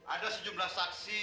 ada sejumlah saksi